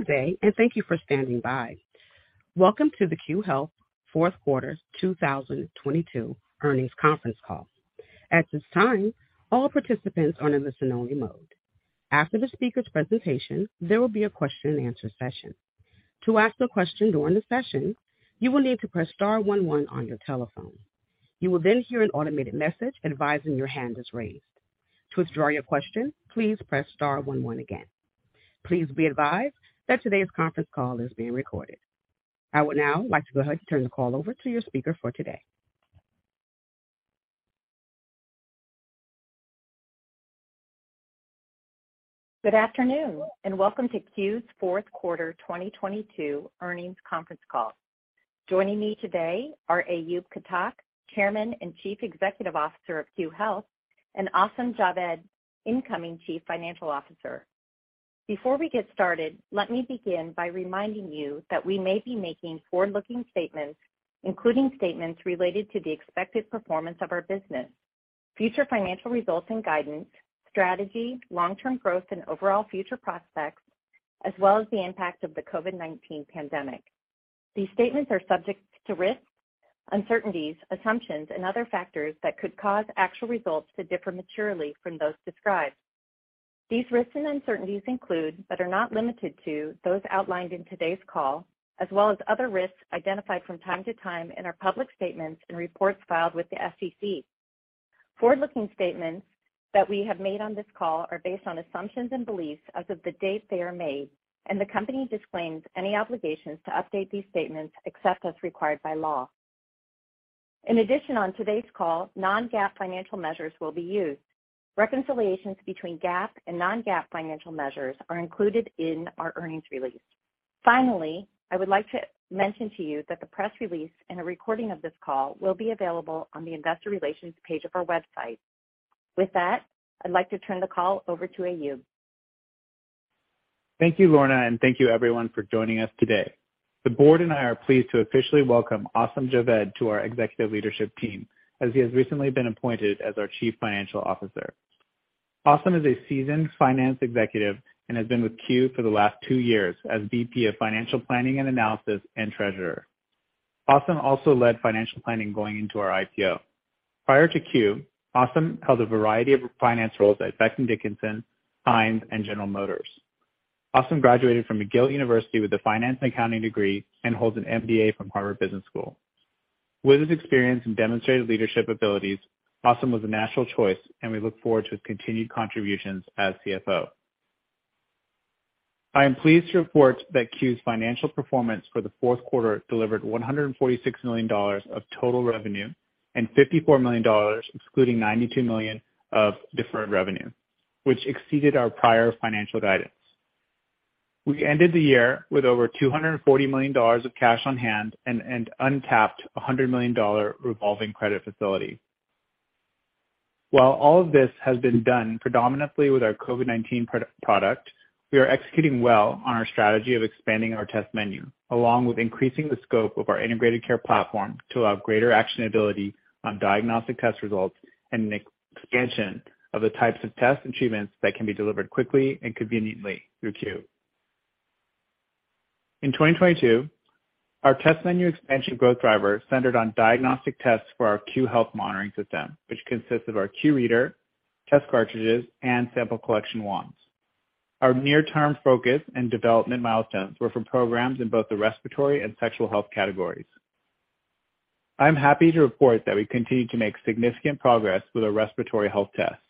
Day and thank you for standing by. Welcome to the Q Health 4th Quarter 2022 Earnings Conference Call. At this time, all participants are in a listen only mode. After the speakers' presentation, there will be a question and answer Please be advised that today's conference call is being recorded. I would now like to go ahead and turn the call over to your speaker for today. Good afternoon, and welcome to Q's Q4 2022 earnings conference call. Joining me today are Aayub Khattak, Chairman and Chief Executive Officer of Q Health and Asim Javed, Incoming Chief Financial Officer. Before we get started, let me begin by reminding you that we may be making forward looking statements, including statements related to the Effective performance of our business, future financial results and guidance, strategy, long term growth and overall future prospects, as well as the impact of the COVID-nineteen pandemic. These statements are subject to risks, uncertainties, assumptions and other factors that could cause actual results to differ materially from those described. These risks and uncertainties include, but are not limited to, those outlined in today's call as well as other risks identified from time to time in our public statements and reports filed with the SEC. Forward looking statements that we have made on this call are based on assumptions and beliefs as of the date they are made, and the company disclaims any obligations to update these statements except as required by law. In addition, on today's call, non GAAP financial measures will be used. Reconciliations between GAAP and non GAAP financial measures are included in our earnings release. Finally, I would like to mention to you that the press release and a recording of this call will be available on the Investor Relations page of our website. With that, I'd like to turn the call over to Aayush. Thank you, Lorna, and thank you, everyone, for joining us today. The Board and I are pleased to officially welcome Asim Javed to our executive leadership team as he has recently been appointed as our Chief Financial Officer. Asim is a seasoned finance executive and has been with CU for the last 2 years as VP of Financial Planning and Analysis and Treasurer. Asim also led financial planning going into our IPO. Prior to Q, Asim held a variety of finance roles at Beck and Dickinson, Heinz and General Motors. Austin graduated from McGill University with a finance and accounting degree and holds an MBA from Harvard Business School. With his experience and demonstrated leadership abilities, Austin was a national choice and we look forward to his continued contributions as CFO. I am pleased to report that CU's financial performance for the Q4 delivered $146,000,000 of total revenue and $54,000,000 excluding $92,000,000 of deferred revenue, which exceeded our prior financial guidance. We ended the year with over $240,000,000 of cash on hand and untapped $100,000,000 revolving credit facility. While all of this has been done predominantly with our COVID-nineteen product, we are executing well on our strategy of expanding our test menu, along with increasing the scope of our integrated care platform to allow greater actionability on diagnostic test results and an Expansion of the types of tests and treatments that can be delivered quickly and conveniently through Q. In 2022, Our test menu expansion growth drivers centered on diagnostic tests for our Q Health monitoring system, which consists of our Q reader, test cartridges and sample collection wands. Our near term focus and development milestones were for programs in both the respiratory and sexual health categories. I'm happy to report that we continue to make significant progress with our respiratory health test.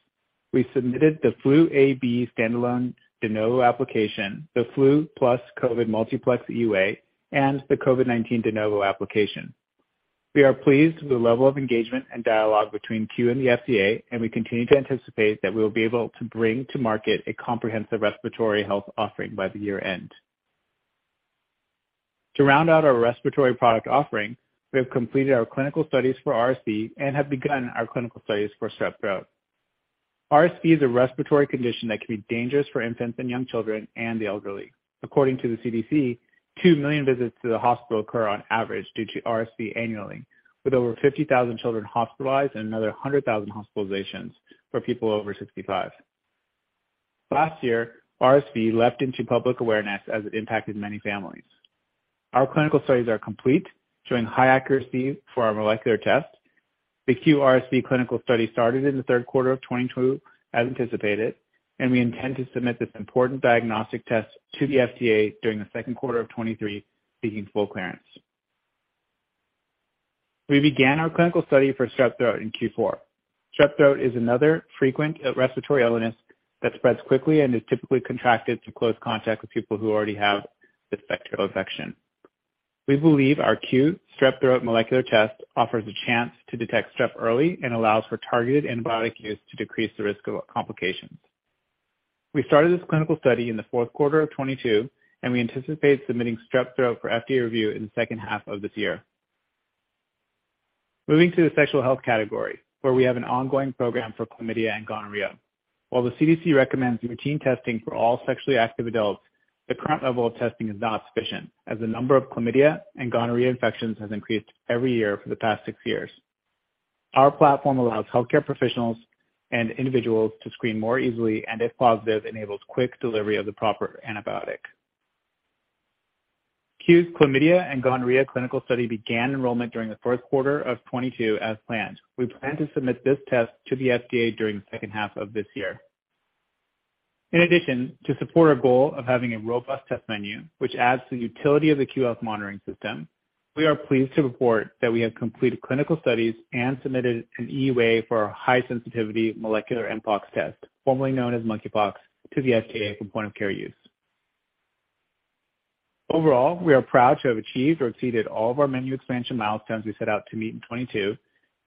We submitted the flu AB standalone de novo application, the flu plus COVID multiplex UA and the COVID-nineteen de novo application. We are pleased with the level of engagement and dialogue between CU and the FDA and we continue to anticipate that we will be able to bring to market a comprehensive respiratory health offering by the year end. To round out our respiratory product offering, we have completed our clinical studies for RSV and have begun our clinical studies for strep throat. RSV is a respiratory condition that can be dangerous for infants and young children and the elderly. According to the CDC, 2,000,000 visits to the hospital occur averaged due to RSV annually with over 50,000 children hospitalized and another 100,000 hospitalizations for people over 65. Last year, RSV left into public awareness as it impacted many families. Our clinical studies are complete, During high accuracy for our molecular test, the QRSV clinical study started in the Q3 of 2022 as anticipated, and we intend to submit this important diagnostic test to the FDA during the Q2 of 2023 seeking full clearance. We began our clinical study for strep throat in Q4. Strep throat is another frequent respiratory illness that spreads quickly and is typically contracted through close contact with people who already have this bacterial infection. We believe our CUE strep throat molecular test offers a chance to detect strep early and allows for targeted antibiotic use to decrease the risk of complications. We started this clinical study in the Q4 of 2022 and we anticipate submitting strep throat for FDA review in the second half of this year. Moving to the sexual health category, where we have an ongoing program for chlamydia and gonorrhea. While the CDC recommends routine testing for all sexually active adults, the current level of testing is not sufficient as the number of chlamydia and gonorrhea infections has increased every year for the past 6 years. Our platform allows healthcare professionals and individuals to screen more easily and if positive enables quick delivery of the proper antibiotic. Q's chlamydia and gonorrhea clinical study began enrollment during the Q4 of 2022 as planned. We plan to submit this test to the FDA during the second half of this year. In addition, to support our goal of having a robust test menu, which adds to utility of the QF monitoring system, We are pleased to report that we have completed clinical studies and submitted an EUA for our high sensitivity molecular mpox test, formerly known as Monkeypox, to the FDA for point of care use. Overall, we are proud to have achieved or exceeded all of our menu expansion milestones we set out to meet in 2022,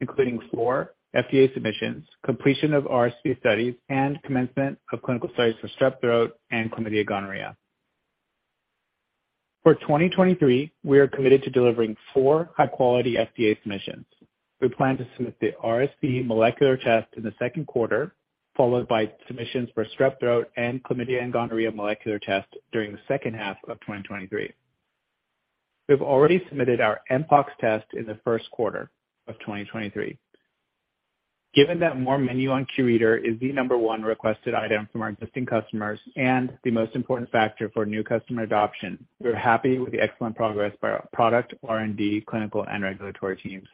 including 4 FDA submissions, completion of RSV studies and commencement of clinical studies for strep throat and chlamydia, gonorrhea. For 2023, we are committed to delivering 4 high quality FDA submissions. We plan to submit the RSV molecular test in the second quarter followed by submissions for strep throat and chlamydia and gonorrhea molecular test during the second half of twenty twenty three. We've already submitted our mpox test in the Q1 of 2023. Given that more menu on Q reader is the number one I am from our existing customers and the most important factor for new customer adoption. We're happy with the excellent progress by our product, R and D, clinical and regulatory teams.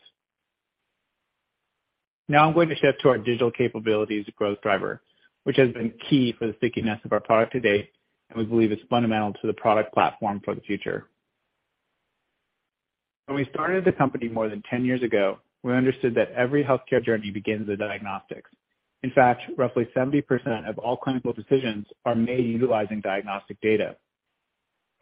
Now I'm going to shift to our digital capabilities growth driver, which has been key for the stickiness of our product to date and we believe it's fundamental to the product platform for the future. When we started the company more than 10 years ago, We understood that every healthcare journey begins with diagnostics. In fact, roughly 70% of all clinical decisions are made utilizing diagnostic data.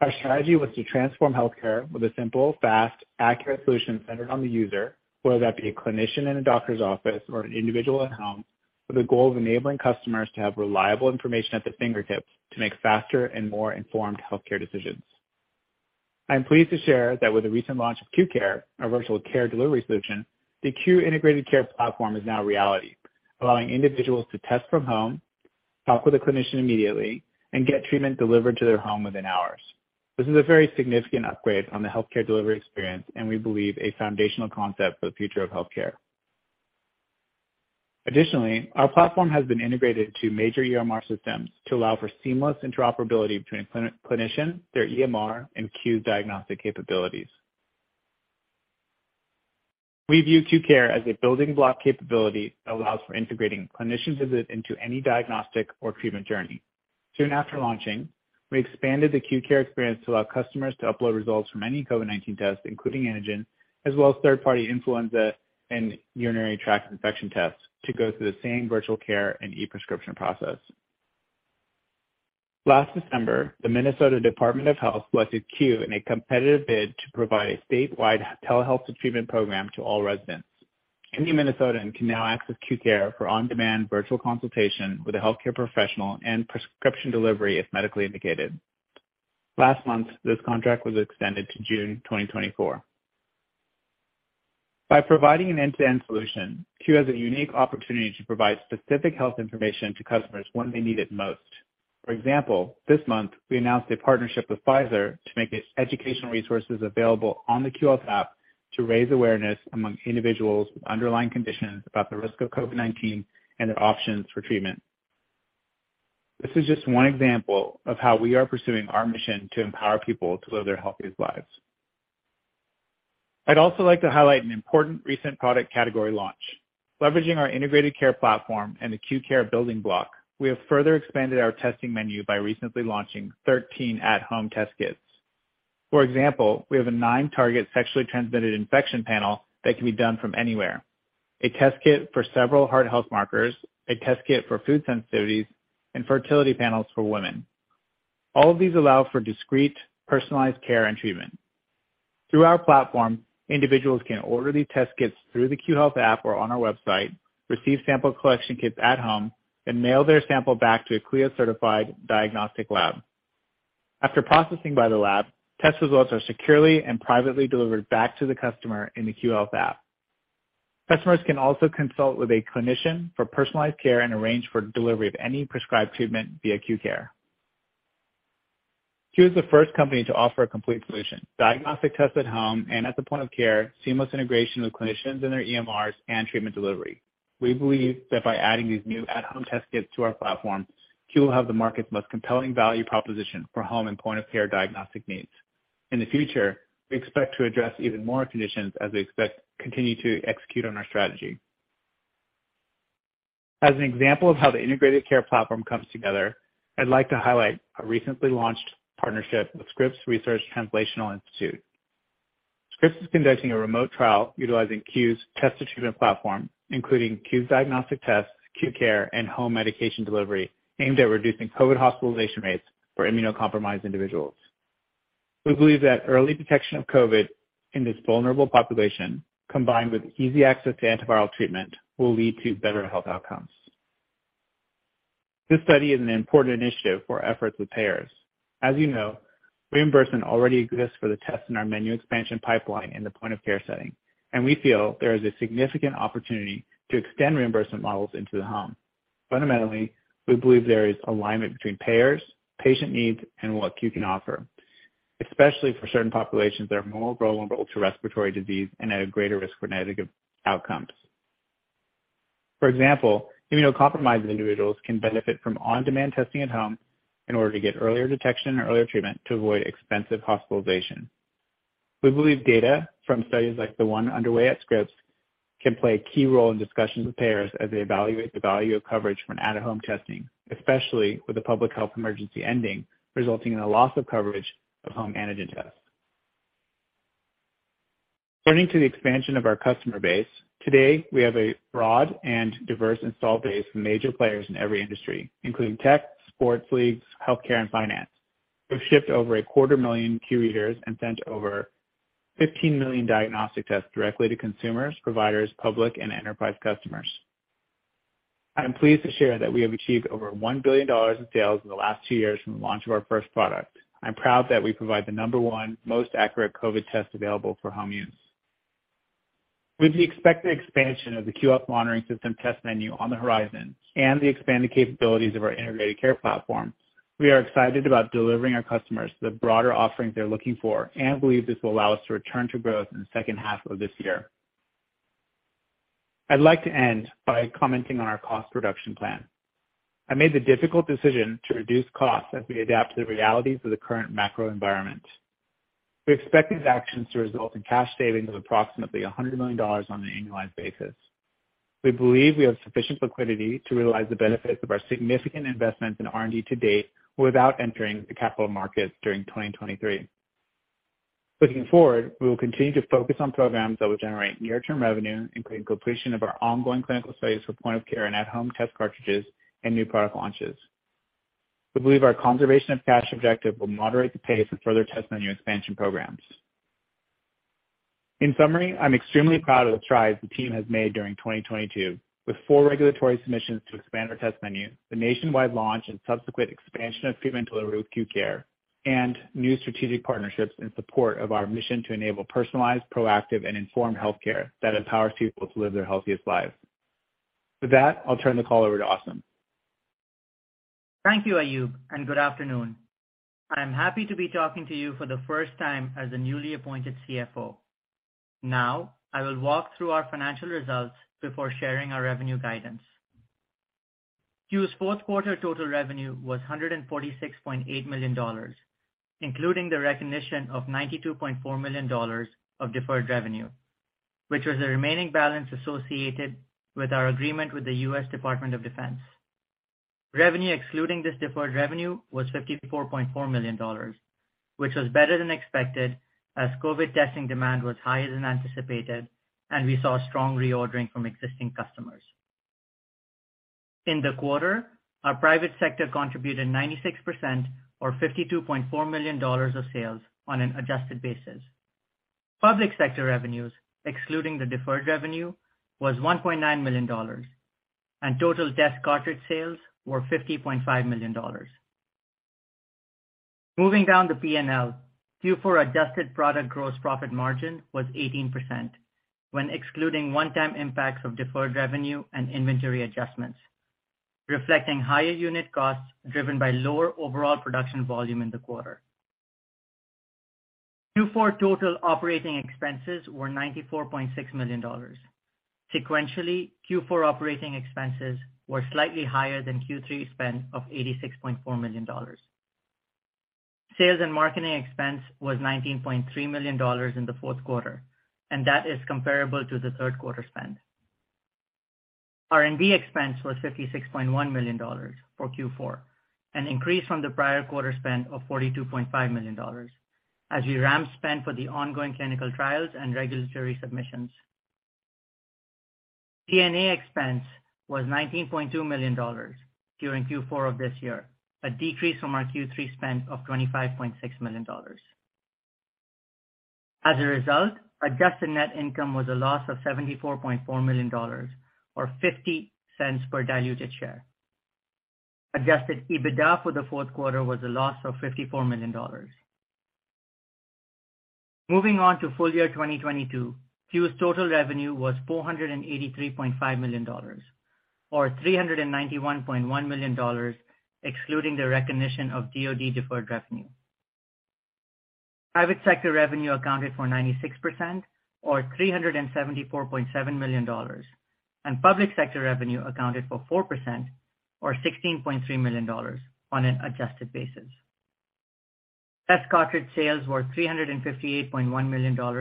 Our strategy was to transform healthcare with a simple, fast, accurate solution centered on the user, whether that be a clinician in a doctor's office or an individual at home with the goal of enabling customers to have reliable information at their fingertips to make faster and more informed healthcare decisions. I'm pleased to share that with the recent launch of Q Care, our virtual care delivery solution, the Q integrated care platform is now reality, allowing individuals to test from home, Talk with a clinician immediately and get treatment delivered to their home within hours. This is a very significant upgrade on the healthcare delivery experience we believe a foundational concept for the future of healthcare. Additionally, our platform has been integrated to major EMR systems to allow for seamless interoperability between clinician, their EMR and Q diagnostic capabilities. We view Q Care as a building block capability that allows for integrating clinicians visit into any diagnostic or treatment journey. Soon after launching, We expanded the acute care experience to allow customers to upload results from any COVID-nineteen test, including antigen, as well as third party influenza and urinary tract infection tests to go through the same virtual care and e prescription process. Last December, the Minnesota Department of Health elected Q in a competitive bid to provide a statewide telehealth treatment program to all residents. Indy Minnesotan can now access Q Care for on demand virtual consultation with a healthcare professional and prescription delivery if medically indicated. Last month, this contract was extended to June 2024. By providing an end to end solution, Q has a unique opportunity to provide specific health information to customers when they need it most. For example, this month, we announced a partnership with Pfizer to make educational resources available on the QLs app to raise awareness among individuals with underlying conditions about the risk of COVID-nineteen and their options for treatment. This is just one example of how we are pursuing our mission to empower people to live their healthiest lives. I'd also like to highlight an important recent product category launch. Leveraging our integrated care platform and the Q Care building block, We have further expanded our testing menu by recently launching 13 at home test kits. For example, we have a 9 target sexually transmitted infection panel that can be done from anywhere, a test kit for several heart health markers, a test kit for food sensitivities and fertility panels for women. All of these allow for discrete personalized care and treatment. Through our platform, individuals can order these test kits through the Q Health app or on our website, receive sample collection kits at home and mail their sample back to a CLIA certified diagnostic lab. After processing by the lab, Test results are securely and privately delivered back to the customer in the Q Health app. Customers can also consult with a Clinician for personalized care and arrange for delivery of any prescribed treatment via Q Care. Q is the 1st company to offer a complete Diagnostic test at home and at the point of care seamless integration with clinicians and their EMRs and treatment delivery. We believe that by adding these new at home test kits to our platform, Q will have the market's most compelling value proposition for home and point of care diagnostic needs. In the future, we expect to address even more conditions as we expect continue to execute on our strategy. As an example of how the integrated care platform comes together, I'd like to highlight our recently launched partnership with Scripps Research Translational Institute. Scripps is conducting a remote trial utilizing CUE's Test to treatment platform, including CUBE diagnostic tests, CUBE Care and home medication delivery aimed at reducing COVID hospitalization rates for immunocompromised individuals. We believe that early detection of COVID in this vulnerable population combined with easy access to antiviral treatment will lead to better health outcomes. This study is an important initiative for efforts with payers. As you know, reimbursement already exists for the test in our menu expansion pipeline in the point of care setting, And we feel there is a significant opportunity to extend reimbursement models into the home. Fundamentally, we believe there is alignment between payers, patient needs and what Queue can offer, especially for certain populations that are more vulnerable to respiratory disease and at a greater risk for negative outcomes. For example, immunocompromised individuals can benefit from on demand testing at home in order to get earlier detection and earlier treatment to avoid expensive Hospitalization. We believe data from studies like the one underway at Scripps can play a key role in discussions with payers as they evaluate the value of coverage on out of home testing, especially with the public health emergency ending resulting in a loss of coverage of home antigen tests. Turning to the expansion of our customer base. Today, we have a broad and diverse installed base of major players in every industry, including tech, sports leagues, healthcare and finance. We've shipped over a quarter 1000000 Q readers and sent over 15,000,000 diagnostic tests directly to consumers, providers, public and enterprise customers. I'm pleased to share that we have achieved over $1,000,000,000 of sales in the last 2 years from the launch of our first product. I'm proud that we provide the number one Most accurate COVID test available for home use. With the expected expansion of the QF monitoring system test menu on the horizon and the expanded capabilities of our integrated care platform, we are excited about delivering our customers the broader offerings they're looking for and believe this will allow us to return to growth in the second half for this year. I'd like to end by commenting on our cost reduction plan. I made the difficult decision reduce costs as we adapt to the realities of the current macro environment. We expect these actions to result in cash savings of approximately $100,000,000 on an annualized basis. We believe we have sufficient liquidity to realize the benefits of our significant investments in R and D to date without entering the capital markets during 2023. Looking forward, we will continue to focus on programs that will generate near term revenue, including completion of our ongoing clinical studies for point of care and at home test cartridges and new product launches. We believe our conservation of cash objective will moderate the pace of further testing new expansion programs. In summary, I'm extremely proud of the strides the team has made during 2022 with 4 regulatory submissions to expand our test menu, the nationwide launch and subsequent expansion of treatment delivery with acute care and new strategic partnerships in support of our mission to enable personalized proactive and informed healthcare that empowers people to live their healthiest lives. With that, I'll turn the call over to Asim. Thank you, Ayub, and good afternoon. I'm happy to be talking to you for the first time as a newly appointed CFO. Now, I will walk through our financial results before sharing our revenue guidance. CU's 4th quarter total revenue was $146,800,000 including the recognition of $92,400,000 of deferred revenue, which was the remaining balance associated with our agreement with the U. S. Department of Defense. Revenue excluding this deferred revenue was $54,400,000 which was better than expected as COVID testing demand was higher than anticipated and we saw strong reordering from existing customers. In the quarter, our private sector contributed 96% were $52,400,000 of sales on an adjusted basis. Public sector revenues, excluding the deferred revenue, was $1,900,000 and total desk cartridge sales were $50,500,000 Moving down the P and L, Q4 adjusted product gross profit margin was 18% when excluding one time impacts of deferred revenue and inventory adjustments, reflecting higher unit costs driven by lower overall production volume in the quarter. Q4 total operating expenses were $94,600,000 Sequentially, Q4 operating expenses were slightly higher than Q3 spend of $86,400,000 Sales and marketing expense was $19,300,000 in the 4th quarter and that is comparable to the 3rd quarter spend. R and D expense was $56,100,000 for Q4, an increase from the prior quarter spend of $42,500,000 as we ramp spend for the ongoing clinical trials and regulatory submissions. G and A expense was $19,200,000 during Q4 of this year, a decrease from our Q3 spend of $25,600,000 As a result, adjusted net income was a loss of $74,400,000 or $0.50 per diluted share. Adjusted EBITDA for the Q4 was a loss of $54,000,000 Moving on to full year 2022, CUES total revenue was $483,500,000 or $391,100,000 excluding the recognition of DoD deferred revenue. Private sector revenue accounted for 96% or $374,700,000 and public sector revenue accounted for 4% or $16,300,000 on an adjusted basis. S. Cottage sales were $358,100,000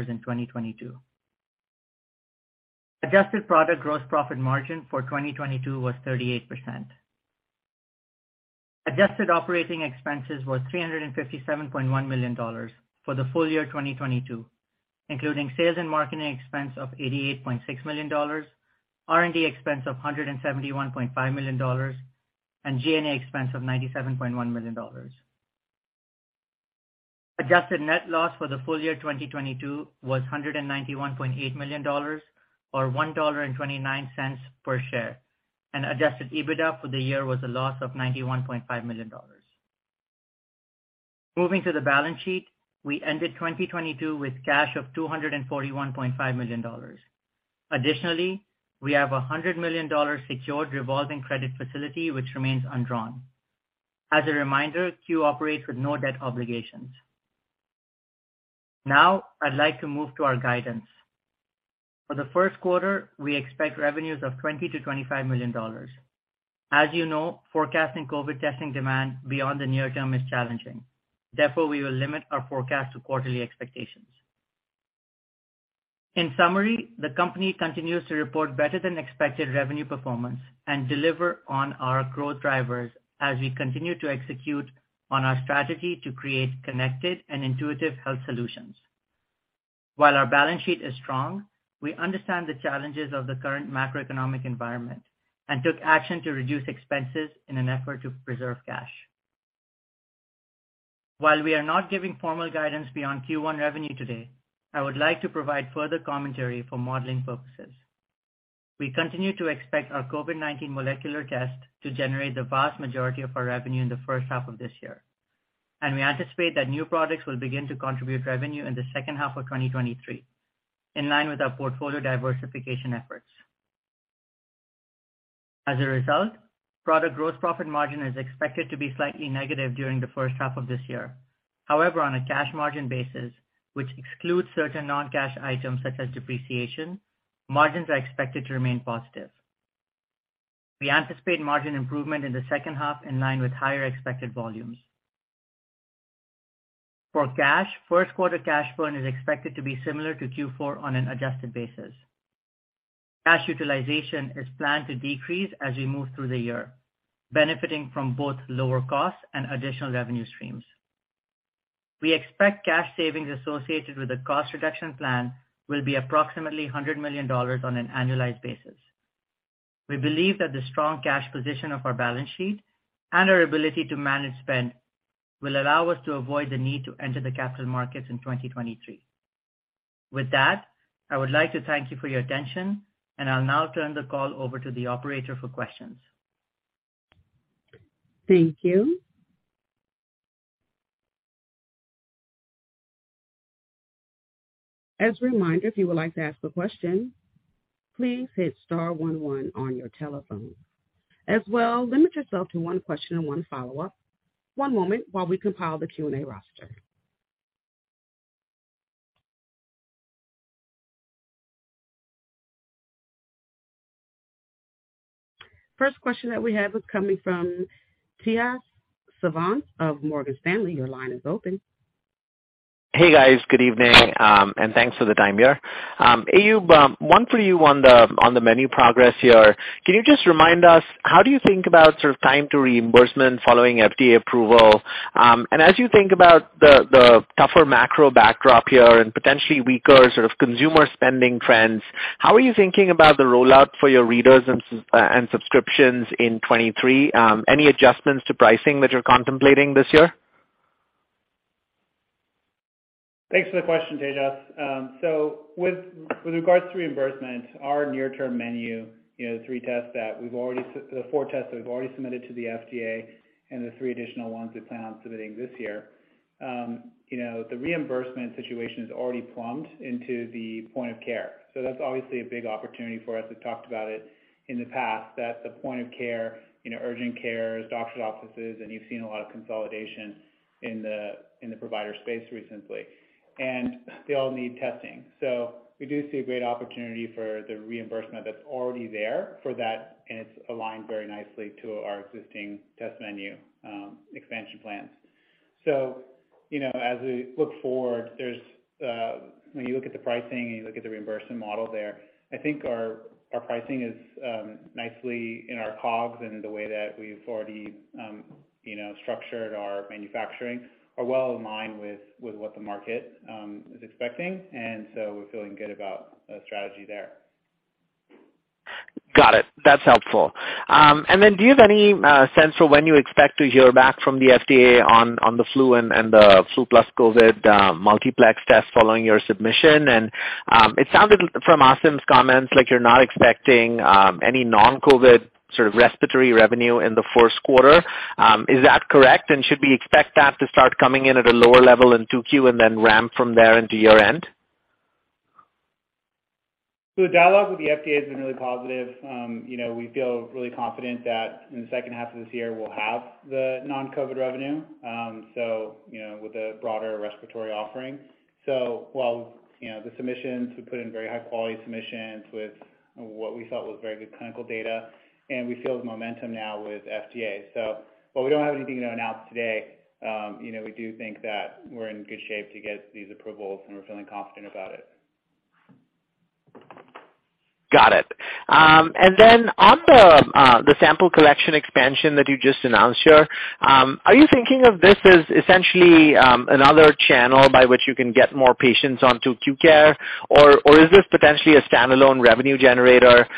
in 2022. Adjusted product gross profit margin for 2022 was 38%. Adjusted operating expenses were $357,100,000 for the full year 2022, including sales and marketing expense of $88,600,000 R and D expense of $171,500,000 and G and A expense of $97,100,000 Adjusted net loss for the full year 2022 was $191,800,000 or $1.29 per share and adjusted EBITDA for the year was a loss of $91,500,000 Moving to the balance sheet, we ended 2022 with cash of $241,500,000 Additionally, we have $100,000,000 secured revolving credit facility, which remains undrawn. As a reminder, CU operates with no debt obligations. Now, I'd like to move to our guidance. For the Q1, we expect revenues of $20,000,000 to $25,000,000 As you know, forecasting COVID testing demand beyond the near term is challenging. Therefore, we will limit our forecast to quarterly expectations. In summary, the company continues to report better than expected revenue performance and deliver on our growth drivers as we continue to execute on our strategy to create connected and intuitive health solutions. While our balance sheet is strong, we Understand the challenges of the current macroeconomic environment and took action to reduce expenses in an effort to preserve cash. While we are not giving formal guidance beyond Q1 revenue today, I would like to provide further commentary for modeling purposes. We continue to expect our COVID-nineteen molecular test to generate the vast majority of our revenue in the first half of this year. And we anticipate that new products will begin to contribute revenue in the second half of twenty twenty three, in line with our portfolio diversification efforts. As a result, product gross profit margin is expected to be slightly negative during the first half of this year. However, on a cash margin basis, which excludes certain non cash items such as depreciation, margins are expected to remain positive. We anticipate margin improvement in the second half in line with higher expected volumes. For cash, 1st quarter cash burn is expected to be similar to Q4 on an adjusted basis. Cash utilization is planned to decrease as we move through the year, benefiting from both lower costs and additional revenue streams. We expect cash savings associated with the cost reduction plan will be approximately $100,000,000 on an annualized basis. We believe that the strong cash position of our balance sheet and our ability to manage spend will allow us to avoid the need to enter the capital markets in 2023. With that, I would like to thank you for your attention. And I'll now turn the call over to the operator for questions. Thank you. As well limit yourself to 1 question and one follow-up. One moment while we compile the Q and A roster. First question that we have is coming from Tiyush Sivan of Morgan Stanley. Your line is open. Hey guys, good evening and thanks for the time here. Aayub, one for you on the menu progress here. Can you just remind us how do you think about sort of time to reimbursement following FDA approval? And as you think about the tougher macro backdrop here and potentially weaker sort of consumer spending trends, how are you thinking about the Weaker sort of consumer spending trends. How are you thinking about the rollout for your readers and subscriptions in 23, any adjustments to pricing that you're contemplating this year? Thanks for the question, Tejas. So with regards to reimbursement, our near term menu, the 3 tests that we've already the 4 tests that we've already submitted to the FDA And the 3 additional ones we plan on submitting this year. The reimbursement situation is already plumped into the point of care. That's obviously a big opportunity for us. We've talked about it in the past that the point of care, urgent cares, doctors' offices and you've seen a lot of consolidation in the provider space recently. And they all need testing. So we do see a great opportunity for the reimbursement that's already there for that And it's aligned very nicely to our existing test menu expansion plans. So as we look forward, there's When you look at the pricing and you look at the reimbursement model there, I think our pricing is nicely in our COGS and in the way that we've already Structured our manufacturing are well in line with what the market is expecting and so we're feeling good about strategy there. Got it. That's helpful. And then do you have any sense for when you expect to hear back from the FDA on the flu and the flu plus COVID multiplex Steph following your submission and it sounded from Asim's comments like you're not expecting any non COVID Sort of respiratory revenue in the Q1, is that correct? And should we expect that to start coming in at a lower level in 2Q and then ramp from there into year end? The dialogue with the FDA has been really positive. We feel really confident that in the second half of this year we'll have the non COVID revenue, So with a broader respiratory offering. So while the submissions we put in very high quality submissions with what we thought was very good clinical data And we feel the momentum now with FDA. So but we don't have anything to announce today. We do think that we're in good shape to get these approvals and we're feeling confident about it. Got it. And then on the sample collection expansion that you just announced here, Are you thinking of this as essentially another channel by which you can get more patients on to Q Care? Or is this potentially a standalone revenue generator?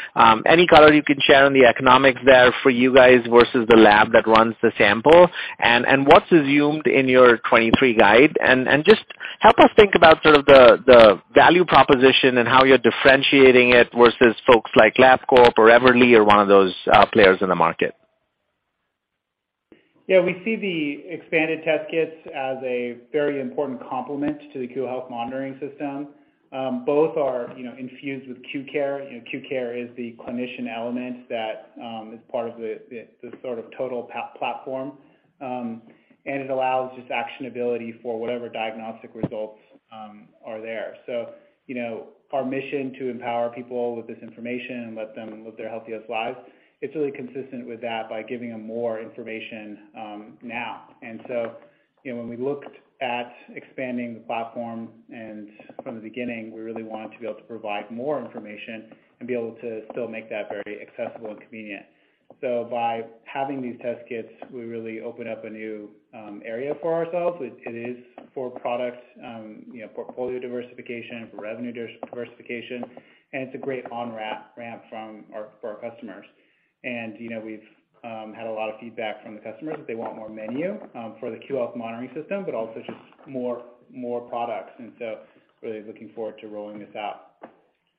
Any color you can share on the economics there for you guys versus the lab that runs the sample? And what's assumed in your 2023 guide? And just Help us think about sort of the value proposition and how you're differentiating it versus folks like LabCorp or Everly or one of those players in the market? Yes, we see the expanded test kits as a very important complement to the Q Health monitoring system. Both are infused with Q Care. Q Care is the clinician element that is part of the sort of total platform. And it allows just actionability for whatever diagnostic results are there. So our mission to empower people with this information and let them live their It's really consistent with that by giving them more information now. And so when we looked At expanding the platform and from the beginning, we really want to be able to provide more information and be able to still make that very accessible and convenient. So by having these test kits, we really open up a new area for ourselves. It is for products, Portfolio diversification, revenue diversification and it's a great on ramp from our for our customers. And we've had a lot of feedback from the customers that they want more menu for the QoS monitoring system, but also just more products. And so Really looking forward to rolling this out.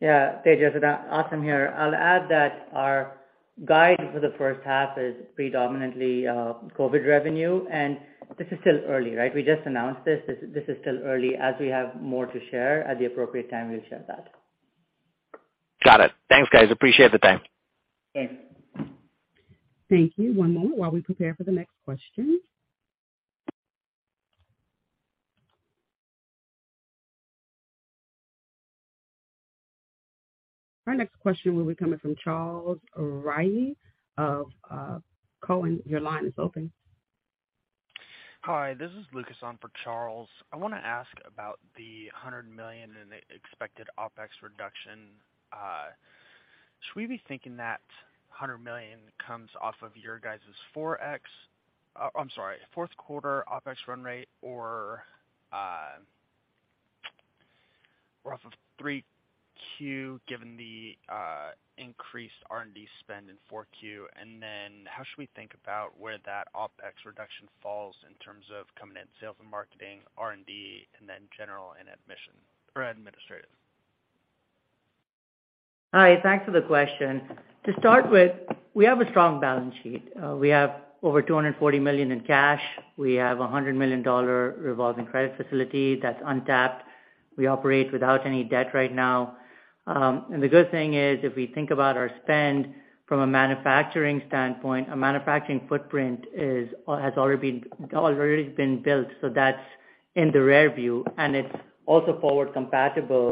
Yes. Hey, Jessica, awesome here. I'll add that our guide for the first half is predominantly COVID revenue and this is still early, right? We just announced this. This is still early as we have more to share. At the appropriate time, we'll share that. Got it. Thanks guys. Appreciate the time. Thanks. Thank you. One moment while we prepare for the next question. Our next question will be coming from Charles Rhyee of Cowen. Your line is open. Hi. This is Lucas on for Charles. I want to ask about the $100,000,000 in the expected OpEx reduction. Should we be thinking that $100,000,000 comes off of your guys' 4x I'm sorry, 4th quarter OpEx run rate or We're off of 3Q given the increased R and D spend in 4Q. And then How should we think about where that OpEx reduction falls in terms of coming in sales and marketing, R and D and then general and admission or administrative? Hi, thanks for the question. To start with, we have a strong balance sheet. We have over $240,000,000 in cash. We have $100,000,000 revolving credit facility that's untapped. We operate without any debt right now. And the good thing is if we think about our spend From a manufacturing standpoint, a manufacturing footprint is has already been built. So that's in the rearview and it's also forward compatible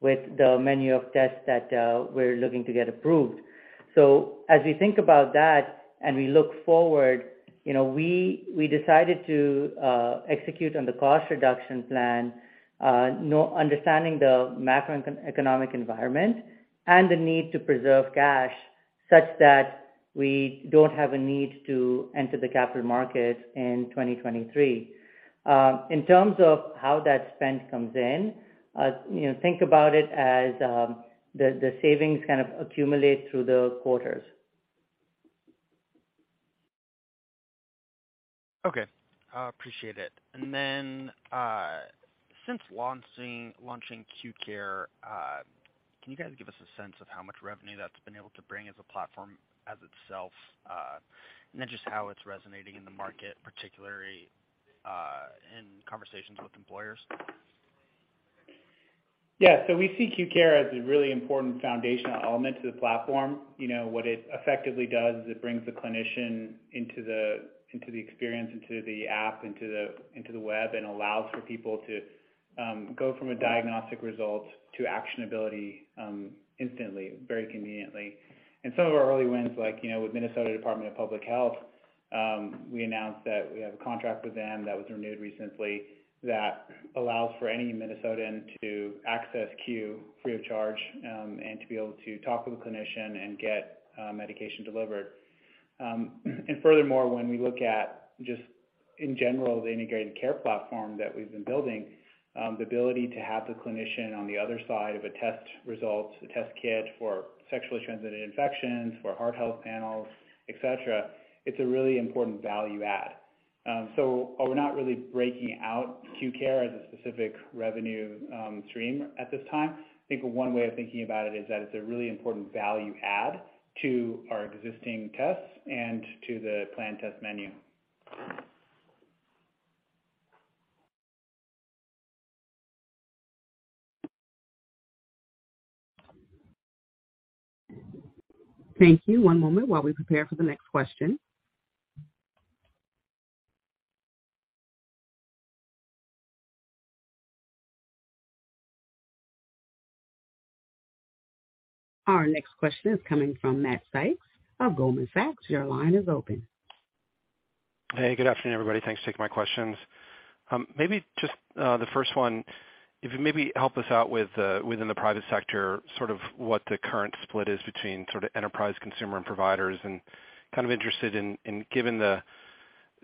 with the menu of tests that we're looking to get approved. So as we think about that and we look forward, we decided to execute on the cost reduction plan, Understanding the macroeconomic environment and the need to preserve cash such that We don't have a need to enter the capital markets in 2023. In terms of how that spend comes Think about it as the savings kind of accumulate through the quarters. Okay. I appreciate it. And then since launching Q Care, can you guys give us Sense of how much revenue that's been able to bring as a platform as itself and then just how it's resonating in the market, particularly and conversations with employers? Yes. So we see Q Care as a really important foundational element to the platform. What it Effectively does is it brings the clinician into the experience, into the app, into the web and allows for people to Go from a diagnostic result to actionability instantly, very conveniently. And some of our early wins like with Minnesota Department of Public Health, We announced that we have a contract with them that was renewed recently that allows for any Minnesotan to access Q free of charge and to To talk to the clinician and get medication delivered. And furthermore, when we look at just In general, the integrated care platform that we've been building, the ability to have the clinician on the other side of a test results, a test kit for Sexually transmitted infections for heart health panels, etcetera. It's a really important value add. So we're not really breaking out Q Care is a specific revenue stream at this time. I think one way of thinking about it is that it's a really important value add to our existing tests and to the planned test menu. Thank you. One moment while we prepare for the next question. Our next question is coming from Matt Sykes of Goldman Sachs. Your line is open. Hey, good afternoon, everybody. Thanks for taking my questions. Maybe just the first one, If you maybe help us out within the private sector sort of what the current split is between sort of enterprise consumer and providers and kind of interested in given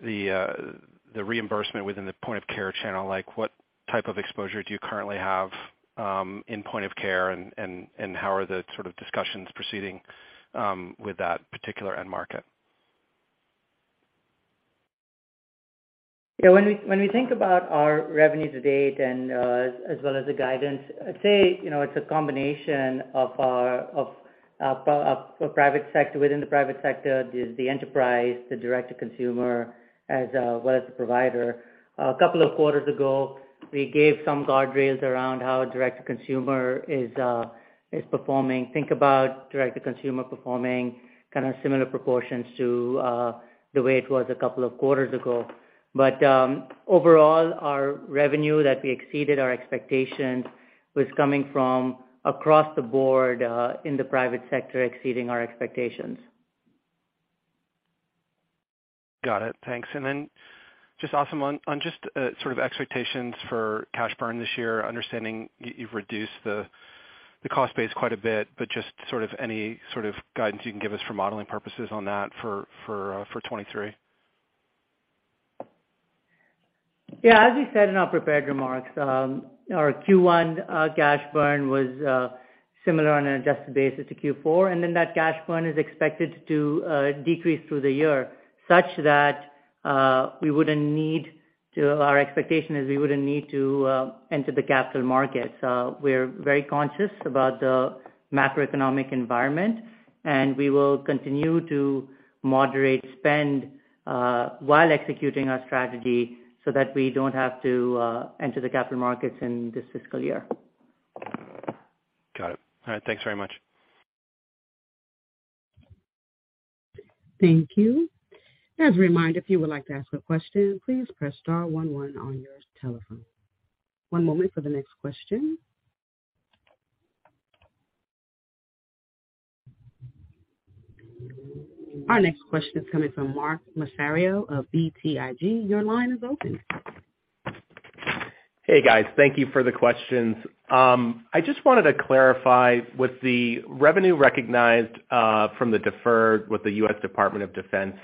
The reimbursement within the point of care channel, like what type of exposure do you currently have in point of care And how are the sort of discussions proceeding with that particular end market? Yes. When we think about our revenue to date and as well as the guidance, I'd say it's a combination of For private sector, within the private sector, the enterprise, the direct to consumer as well as the provider. A couple of quarters ago, we gave some guardrails around how direct to consumer is performing. Think about direct to consumer performing Kind of similar proportions to the way it was a couple of quarters ago. But overall, our revenue that we exceeded our expectations Was coming from across the board in the private sector exceeding our expectations. Got it. Thanks. And then just awesome on just sort of expectations for cash burn this year, understanding you've reduced The cost base quite a bit, but just sort of any sort of guidance you can give us for modeling purposes on that for 2023? Yes. As we said in our prepared remarks, our Q1 cash burn was Similar on an adjusted basis to Q4 and then that cash burn is expected to decrease through the year such that we wouldn't need So our expectation is we wouldn't need to enter the capital markets. We are very conscious about the macroeconomic environment And we will continue to moderate spend, while executing our strategy so that we don't have to enter the capital markets in this Got it. All right. Thanks very much. Thank Our next question is coming from Mark Massaro of BTIG. Your line is open. Hey guys, thank you for the questions. I just wanted to clarify with the revenue recognized From the deferred with the U. S. Department of Defense,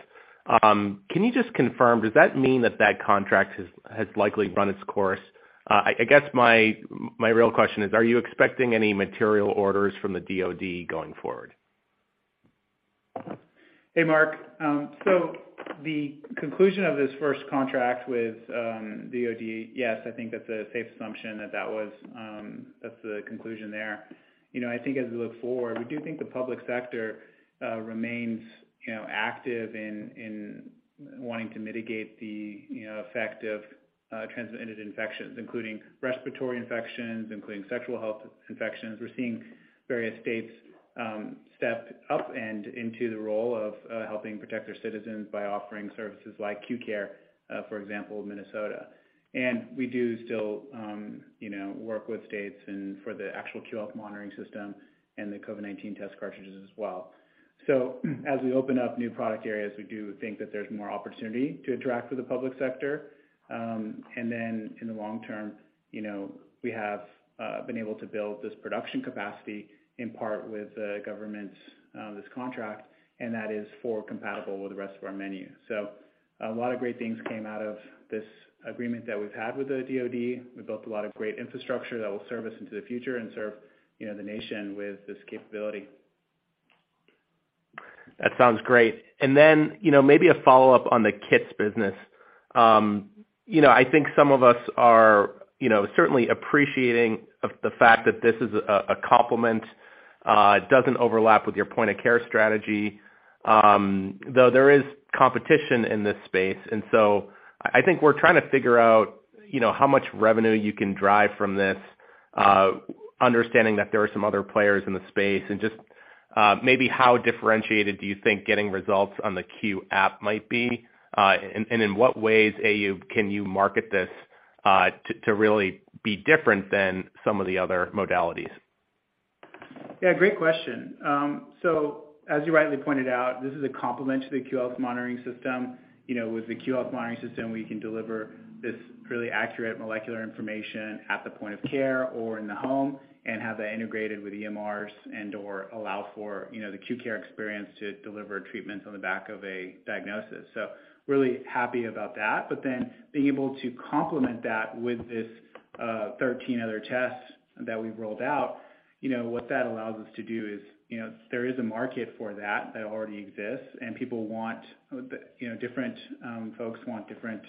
can you just confirm, does that mean that that contract has likely run its course? I guess my real question is, are you expecting any material orders from the DoD going forward? Hey, Mark. So the conclusion of this first contract with DoD, yes, I think that's a safe assumption that that was That's the conclusion there. I think as we look forward, we do think the public sector remains active in Wanting to mitigate the effect of transmitted infections, including respiratory infections, including sexual health infections. We're seeing Various states stepped up and into the role of helping protect their citizens by offering services like QCARE, for example, Minnesota. And we do still work with states and for the actual QL monitoring system and the COVID-nineteen test cartridges as well. So as we open up new product areas, we do think that there's more opportunity to attract to the public sector. And then in the long term, we have I've been able to build this production capacity in part with the government's this contract and that is for compatible with the rest of our menu. So A lot of great things came out of this agreement that we've had with the DoD. We've built a lot of great infrastructure that will serve us into the future and serve The nation with this capability. That sounds great. And then maybe a follow-up on the kits business. I think some of us are certainly appreciating the fact that this is a complement, It doesn't overlap with your point of care strategy, though there is competition in this space. And so I think we're trying to figure out How much revenue you can drive from this, understanding that there are some other players in the space and just maybe how differentiated do you think Getting results on the Q app might be, and in what ways, Ayub, can you market this, to really be different than some of the other modalities? Yes, great question. So as you rightly pointed out, this is a complement to the QoS monitoring system. With the Q Health monitoring system, we can deliver this really accurate molecular information at the point of care or in the home And how they integrated with EMRs and or allow for the acute care experience to deliver treatments on the back of a diagnosis. So Really happy about that. But then being able to complement that with this 13 other tests that we've rolled out, what that allows us to do is, There is a market for that that already exists and people want different folks want different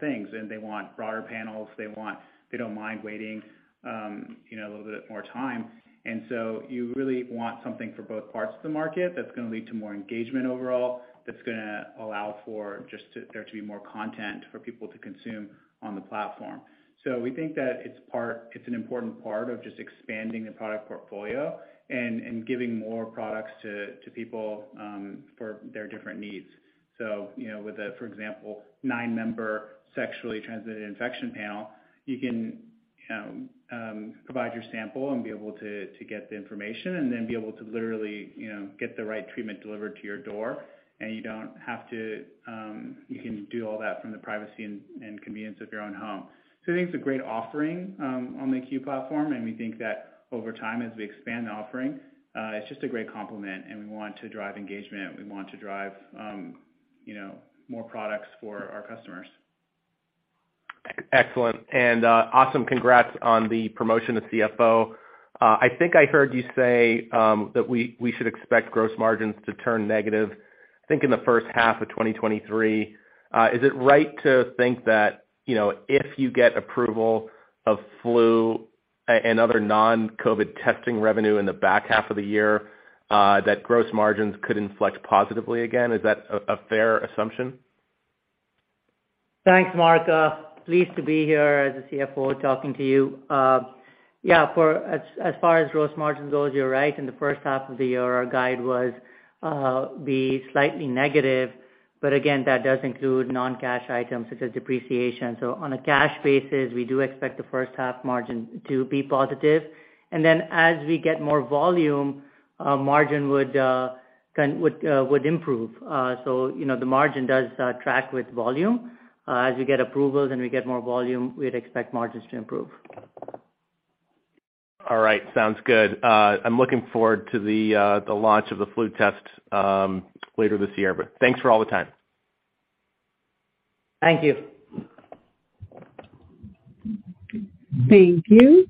things and they want broader panels, they want They don't mind waiting a little bit more time. And so you really want something for both parts of the market that's going to lead to more engagement overall. That's going to allow for just there to be more content for people to consume on the platform. So we think that it's part it's an important part of just And the product portfolio and giving more products to people for their different needs. So with the, for example, 9 member Sexually transmitted infection panel, you can provide your sample and be able to get the information and then be able to literally Get the right treatment delivered to your door and you don't have to you can do all that from the privacy and convenience of your own home. So So it's a great offering on the Q platform and we think that over time as we expand the offering, it's just a great complement and we want to drive engagement. We want to drive More products for our customers. Excellent. And awesome congrats on the promotion of CFO. I think I heard you say that we should expect gross margins to turn negative, I think in the first half of twenty twenty three. Is it right to think that if you get approval of flu and other non COVID testing revenue in the back half of the year That gross margins could inflect positively again. Is that a fair assumption? Thanks, Martha. Pleased to be here as a CFO talking to you. Yes, as far as gross margin goes, you're right. In the first half of the year, our guide was be slightly negative, but again that does include non cash items such as depreciation. So on a cash basis, we do expect the first half Margin to be positive. And then as we get more volume, margin would improve. So the margin does track with volume. As we get approvals and we get more volume, we'd expect margins to improve. All right. Sounds good. I'm looking forward to the launch of the flu test later this year, but thanks for all the time. Thank you. Thank you.